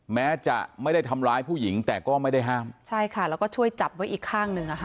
แม้จะไม่ได้ทำร้ายผู้หญิงแต่ก็ไม่ได้ห้ามใช่ค่ะแล้วก็ช่วยจับไว้อีกข้างหนึ่งอ่ะค่ะ